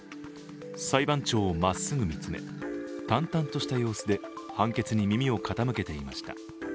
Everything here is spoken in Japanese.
裁判長をまっすぐ見つめ淡々とした様子で判決に耳を傾けていました。